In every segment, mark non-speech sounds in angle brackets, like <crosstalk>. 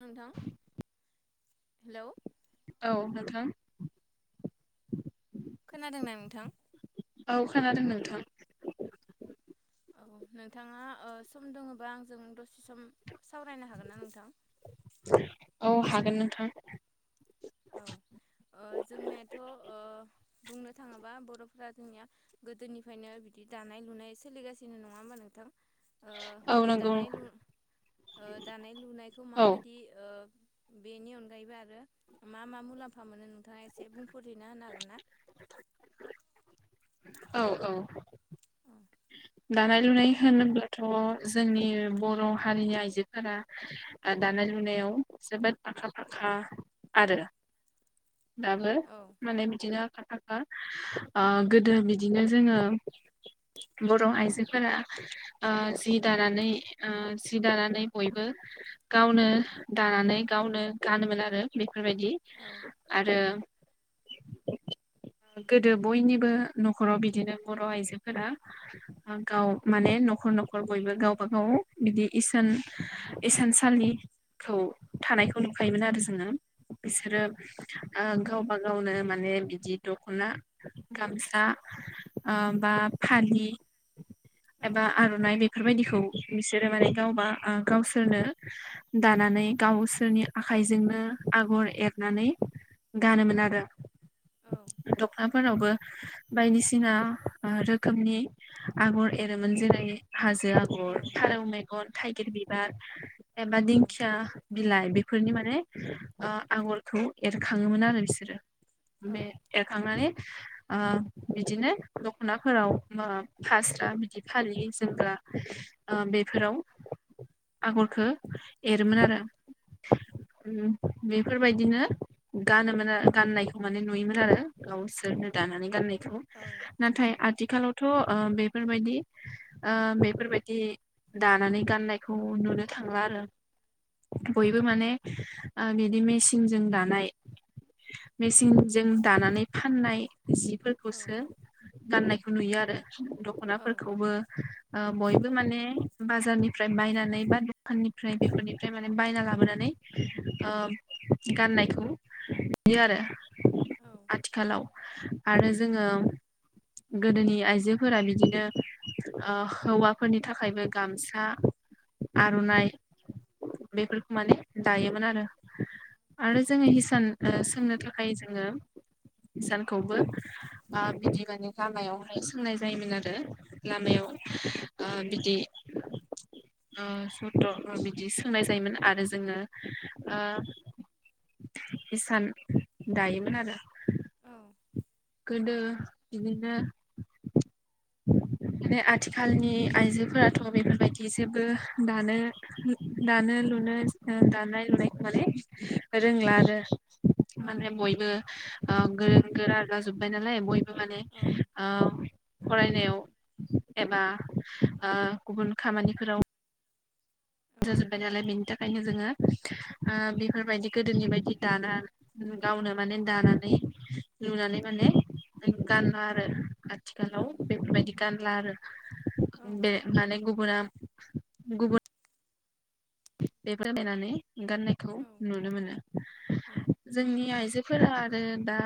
नोंथां हेलौ। औ नोंथां। खोनादोंना नोंथां? औ खोनादों नोंथां। औ नोंथाङा ओ सम दोङोबा आंजों दसे सम सावरायनो हागोन ना नोंथां? औ हागोन नोंथां। औ ओ जोंनायाथ' ओ बुंनो थाङोबा बर'फोरा जोंनिया गोदोनिफायनो बि दि दानाय लुनाय सोलिगासिनो नङा होमबा नोंथां? ओ औ नंगौ दानाय लु ओ दानाय लुनायखौ औ माबायदि ओ बेनि अनगायैबो आरो मा मा मुलाम्फा मोनो नोंथाङा एसे बुंफोरहैना होनो हागोन ना? औ औ। औ दानाय लुनाय होनोब्लाथ' जोंनि बर' हारिनि आइजोफोरा ओ दानाय नाय लुनायाव जोबोद आखा फाखा आरो। दाबो औ माने बिदिनो खाथा ओ ओ गोदो बिदिनो जोङो बर' आइजोफोरा ओ जि दानानै ओ जि दानानै बयबो गावनो दानानै गावनो गानोमोन आरो बि फोरबायदि औ औ आरो <unintelligible> गोदो बयनिबो न'खराव बिदिनो बर' आइजोफोरा ओ गाव माने ने न'खर न'खर बयबो गावबा गाव बिदि इसान इसानसालि खौ औ थानायखौ नुखायोमोन आरो जोङो बिसोरो ओ गावबा गावनो माने बिदि दखना गामसा बा फालि एबा औ आर'नाइ बि बेफोरबायदिखौ बिसोरो माने गावबा गावसोरनो दानानै गावसोरनि आ आखाइजोंनो आगर एरनानै गानोमोन आरो दखनाफोरावबो बायदिसिना रोखोमनि आगर एरोमोन। जेरै हाजो औ आगर, फारौ मेगन, थाइगिर बिबार एबा औ दिंखिया बिलाइ फोरनि माने आगरखौ एरखांङोमोन आरो बिसोरो। औ बे एरखांनानै बिदिनो दखनाफोराव फास्रा बिदि फालि जोमग्रा बेफोराव आगरखो एरोमोन औ आरो बेफोरबायदिनो गानोमोन गाननायखौ माने नुयोमोन आरो गावसोरनो दानानै गाननाय नाथाय आथिखालावथ' बेफोरबायदि बेफोरबायदि दानानै गाननायखौ नुनो थांला आरो। बयबो माने बिदि मेसिनजों दानाय मेसिनजों दानानै फाननाय जिफोरखौसो गाननायखौ नुयो आरो। दखनाफोरखौबो बयबो माने बाजारनिफ्राय बायनानै बा दखाननिफ्राय बेफोरनिफ्राय माने बायना लाबोनानै गाननायखौ नुयो आरो आथिखालाव आरो जोङो गोदोनि आइजोफोरा बिदिनो हौवाफोरनि थाखायबो गामसा आर'नाइ बेफोरखौ माने दायोमोन आरो। आरो जोङो हिसान सोंनो थाखाय जोङो हिसानखौबो बिदि माने लामायावहाय सोंनाय जायोमोन आरो। लामायाव ओ बिदि ओ सथ' बिदि सोंनाय जायोमोन आरो जोङो ओ <inaudible> इसान दायोमोन आरो औ गोदो बिदिनो <inaudible> माने आथिखालनि आइजोफोराथ' बेफोरबायदि जेबो दानो दानो लुनो दानाय लुनायखौ माने रोंला आरो माने बयबो ओ गोरों गोरा जाजोब्बाय नालाय बयबो। माने ओ फरायनायाव एबा ओ गुबुन खामानिफोराव जाजोब्बाय नालाय बेनि थाखायनो जोङो- <inaudible> ओ बेफोरबायदि गोदोनि बायदि दाना गावनो माने दानानै लुनानै माने गानला आरो। आथिखालाव बेफोरबायदि गानला आरो बे माने गुबुना गुबुन बायनानै गाननायखौ नुनो मोनो जोंनि आइजो फोरा आरो दा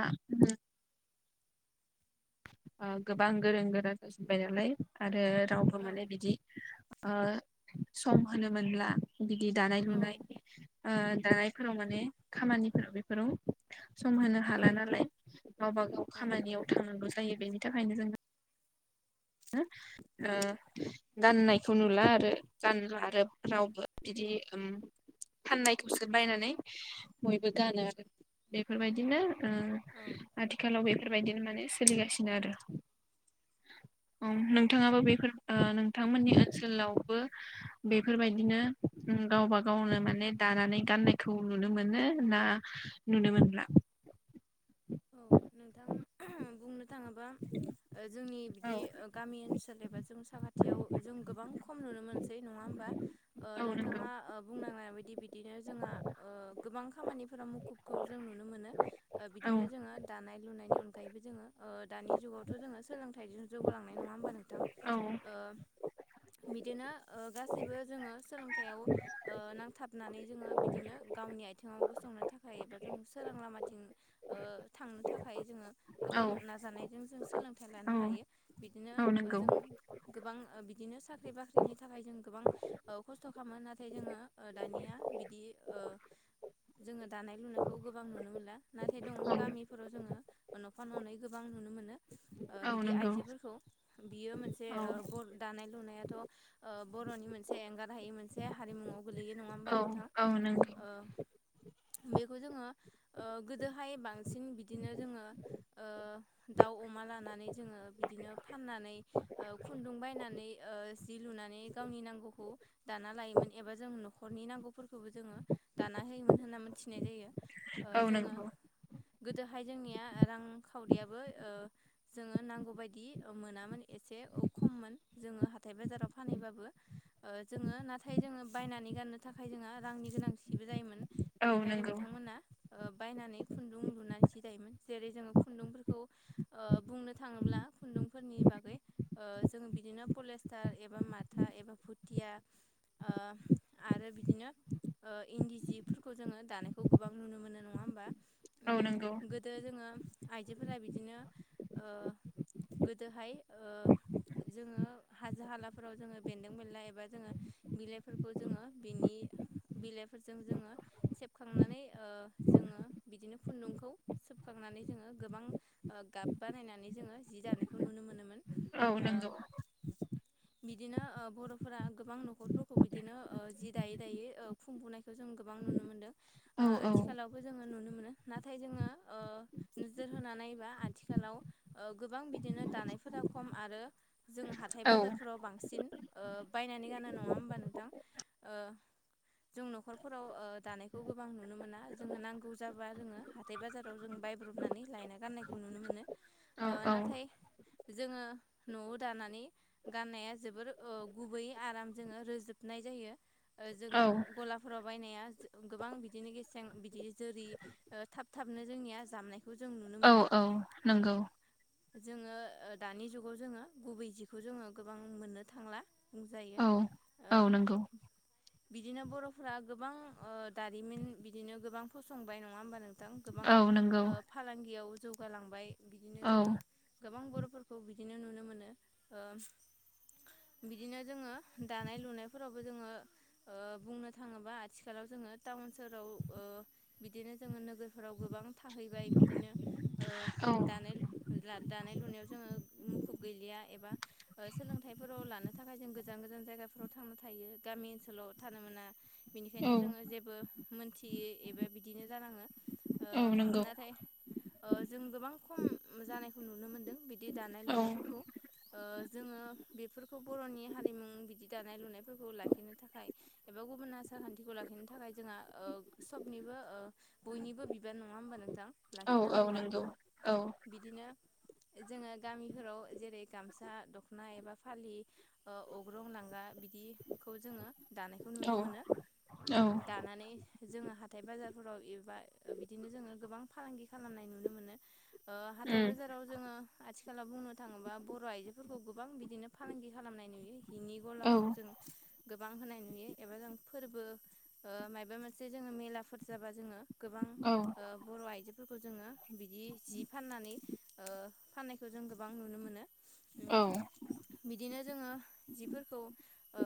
ओ गोबां गोरों गोरा जाजोबबाय नालाय आरो रावबो माने बिदि ओ सम होनो मोनला। बिदि दानाय लुनाय ओ दानायफोराव माने खामानिफोराव बेफोराव सम होनो हाला नालाय गावबा गाव खामानियाव थांनांगौ जायो। बेनि थाखायनो जों नो ओ गाननायखौ नुला आरो गानला आरो रावबो बिदि ओम फाननायखौसो बायनानै बयबो गानो आरो बेफोरबायदिनो ओ आथिखालाव बेफोरबायदिनो माने सोलिगासिनो आरो औ नोंथाङाबो बेफोर ओ नोंथांमोननि ओनसोलावबो बेफोरबायदिनो गावबा गावनो माने दानानै गाननायखौ नुनो मोनो ना नुनो मोनला? औ नोंथां बुंनो थाङोबा जोंनि बिदि औ गामि ओनसोल एबा जों साखाथियाव जों गोबां खम नुनो मोन सै नङा होमबा ओ औ नंगौ नोंथाङा बुंनाङा बायदि बिदिनो जोंहा गोबां खामानिफोराव मुखुबखौ जों नुनो मोनो ओ औ बिदिनो जोङो दानाय लुनायनि अनगायैबो जोङो ओ दानि जुगावथ' जोङो सोंलोंथायजों जौगालांनाय नङा होनबा नों थां औ ओ बिदिनो ओ गासैबो जोङो सोलोंथायाइयाव ओ नांथाबनानै जोङो बिदिनो गावनि आथिङाव गसंनो थाखाय एबा जों सोरां लामाथिं ओ थांनो थाखाय जोङो औ गोबां नाजानायजों जों सोलों थाय लानो हायो बिदिनो औ नंगौ जों गोबां बि बिदिनो साख्रि बाख्रिनि थाखाय जों गोबां खस्थ' खालामो नाथाय जोङो दानिया बिदि ओ जोङो दानाय लुनायखौ गोबां नुनो मोनला नाथाय दङ औ गामिफोराव जोङो न'फा न'नै गोबां नुनो मोनो। ओ औ बिदि नंगौ आइजोफोरखौ बियो मोनसे औ ओ गर दानाय लुनायाथ' बर'नि मोनसे एंगार हायै मोनसे हारिमुवाव गोलैयो। नङा होमबा औ नोंथां औ नंगौ। ओ बेखौ जोङो ओ गोदोहाय बांसिन बिदिनो जोङो ओ दाउ अमा लानानै जोङो बिदिनो फान नानै ओ खुन्दुं बायनानै ओ जि लुनानै गावनि नांगौखौ दाना लायोमोन। एबा जों न'खरनि नांगौफोरखौबो जोङो दाना होयोमोन होनना मोनथिनाय जायो। ओ औ जोङो नोंगौ। गोदोहाय जोंनिया रांखावरियाबो ओ जोङो नांगौबायायदि ओ मोनामोन। से औ खोमोन जोङा हाथाय बाजाराव फानैबाबो ओ जोङो नाथाय जोङो बायनानै। जानो थाखाय जोंहा रांनि गोनांथिबो जायोमोन औ बेनिखायनो नंगौ बिथांमोना ओ बायनानै खुन्दुं लु नानै सिदायोमोन जेरै जोङो खुन्दुंफोरखौ ओ बुंनो थाङोब्ला खुन्दुंफोरनि बागै ओ जों बिदिनो पलेस्टार एबा माथा एबा भुथिया। ओ आरो बिदिनो। ओ इन्दि जिफोरखौ जोङो दानायखौ गोबां नुनो मोनो नङा होमबा। औ नंगौ उम गोदो जोङो आइजोफोरा बिदिनो ओ गोदोहाय ओ जोङो हाजो हालाफोराव जोङो बेन्दों बेनला एबा जोङो बिलाइफोरखौ जोङो बिनि बिलाइफोरजों जोङो सेबखांनानै ओ जो बिदिनो। खुन्दुंखौ सोबखांनानै जोङो गोबां ओ गाब बानायनानै जोङो जि दानायखौ नुनो मोनोमोन। औ ओ नोंगौ। बिदिनो ओ बर'फोरा गोबां न'खरफोरखौ बिदिनो ओ जि दायै दायै ओ खुंबोनायखौ जों गोबां नुनो मोनदों औ ओ औ आथिखालावबो जोङो नुनो मोनो। नाथाय जोङो ओ नोजोर होनानैबा आथिखालाव गोबां बिदिनो दानायफोरा खम आरो जों हाथाय औ बाजारफोराव बांसिन ओ बायनानै गानो नङा होमबा नोंथां। ओ जों न'खरफोराव ओ दानायखौ गोबां नुनो मोना जोङो नांगौ जाबा। जोङो हाथाय बाजाराव जों बायब्रबनानै लायना गाननायखौ नुनो मोनो ओ नाथाय। जोङो न'आव दानानै गाननाया जोबोर ओ गुबैयै आराम जोङो रोजोबनाय जायो। जायो। ओ औ जोङो गलाफोराव बायनाया गोबां बिदिनो गेसें बिदि जोरि। ओ थाब थाबनो जोंनिया जामनाय औ औ नोंगौ। जोङो ओ दानि जुगाव जोङो गुबै जिखौ जोङो गोबां मोननो थांला बुंजायो। औ ओ औ नोंगौ। बिदिनो बर'फ्रा गोबां ओ दारिमिन बिदिनो गोबां फसंबाय नङा होनमबा नों थां गोबां औ नंगौ ओ फालांगिआव जौगालांबाय औ। फोरखौ बिदिनो नुनो मोनो ओ। बिदिनो जोङो दानाय लुनायफोरावबो जोङो ओ बुंनो थाङोबा आथिखालाव जो जोङो टाउन सोहोराव ओ बिदिनो। जोङो नोगोरफोराव गोबां थाहैबाय बिदिनो ओ औ दानाय। ला दानाय लुनायाव जोङो मुखुब गैलिया एबा सोलोंथाइफोराव लानो थाखाय जों गोजान गोजान जायगाफोराव थांनो थायो गामि ओनसोलाव थानो मोना औ बिनिखायनो जोङो जेबो मोनथि दि एबा बिदिनो जोनाङो ओ औ नंगौ नाथाय। ओ जों गोबां खम जानायखौ नुनो मोनदों बिदि दानाय औ लुनायफोरखौ। ओ जोङो बेफोरखौ बर'नि हारिमु बिदि दानाय लुनायफोरखौ लाखिनो थाखाय एबा। गुबुन आसार खान्थिखौ लाखिनो थाखाय जोंहा ओ सबनिबो ओ। बयनिबो बिबार नङा होमबा नोंथां औ औ लाखिनांगौआ नंगौ औ बिदिनो। जोङो गामिफोराव जेरै गामसा दख'ना एबा फालि ओ अग्रं लांगा। बिदिखौ जोङो दानायखौ नुनो मोनो औ उम दानानै जोङो हाथाय बाजार फोराव एबा ओ बिदिनो जोङो गोबां फालांगि खालामनाय नुनो मोनो ओ हाथाय बाजाराव जोङो। आथिखालाव बुंनो थाङोबा बर' आइजोफोरखौ गोबां बिदिनो फालांगि खालामनाय नुयो हिनि गलाफोरखौ। जों गोबां होनाय नुयो एबा जों फोरबो ओ माबा मोनसे जोंङो मेला फोर जाबा जोङो गोबां उम ओ बर' आइजो फोरखौ जोङो बिदि जि फाननानै ओ फाननायखौ जों गोबां नुनो मोनो उम औ <inaudible> बिदिनो जोङो जिफोरखौ ओ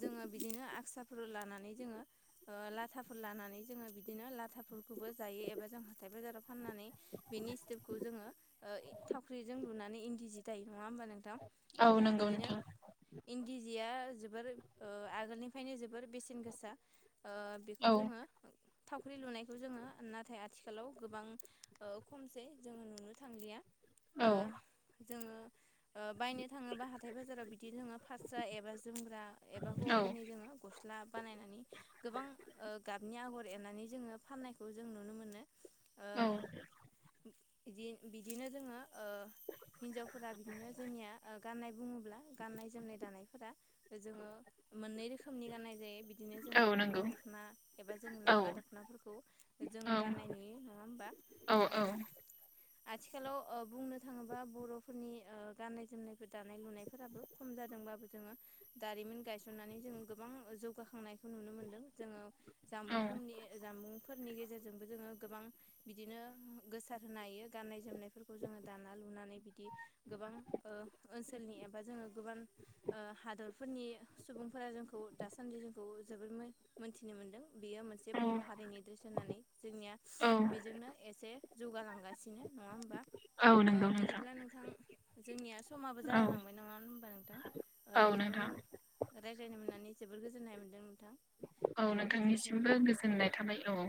जोङो बिदिनो आस्राफोर लानानै जोंङो ओ लाथाफोर लानानै जोङो बिदिनो लाथाफोरखौबो जायोबा जों हाथाय बाजाराव फाननानै बिनि सेखौ जोंङो ओ थावख्रिजों लुनानै इन्दि जि दायो नङा होमबा नोंथां औ उम नंगौ बिदिनो नोंथां। इन्दि जिया जोबोर ओ आगोलनिफ्रायनो जोबोर बेसेन गोसा। ओ औ बेखौ जोङो। थावख्रि लुनायखौ जोङो नाथाय आथिखालाव गोबां ओ खमसै जोङो नुनो थां या औ ओ जोङो ओ बायनो थाङोब्ला हाथाय बाजाराव बिदि जोङो फास्रा एबा जोमग्रा एबा औ हौवाफोरनि जोङो गस्ला बानायनानै गोबां ओ गा बनि आगर एरनानै जोङो फाननायखौ जों नुनो मोनो ओ औ बिदि बिदिनो जोङो ओ हिन्जावफोरा बिदिनो जोंनिया ओ गान्नाय बुङोब्ला गाननाय जोमनाय दानायफोरा ओ जोंङो मोननै रोखोमनि गाननाय जायो बि बिदिनो औ जोङो नंगौ अग्रं दख'ना एबा जों औ लांगा दख'नाफोरखौ जों औ गाननाय नुयो नङा होमबा। औ ओ औ आथिखालाव ओ बुंनो थाङोब्ला बर'फोरनि ओ गाननाय जोमनायफोर दानाय लुनायफोराबो खम जादों बाबो जोङो दारिमिन गायसननानै जों गोबां जौगाखांनायखौ नुनो मोनदों जोङो। जामबुं फुंनि जामबुंफोरनि गेजेरजोंबो जोङो गोबां बिदिनो गोसार होनो हा यो गाननाय जोमनायफोरखौ जोङो दाना लुनानै बिदि गोबां ओ ओनसोलनि एबा जोङो गोबां ओ हादरफोरनि सुबुंफोरा जोंखौ दासान्दि जोंखौ जोबोर मो-मोन्थि नो मोनदों बेयो मोनसे बर' हारिनि ड्रेस होननानै जोंनिया। औ जौगालांगासिनो नङा होमबा औ ओ नंगौ बिदिब्ला नोंथां जोंनिया समाबो औ जागालांबाय नङा होनोमबा नोंथां ओ औ नोंथांजों नोंथां। रायज्लायनो मोननानै जोबोर गोजोननाय मोनदों नोंथां। औ ओ गोजोन्थों नोंथांनिसिमबो नोंथां औ गोजोननाय थाबाय औ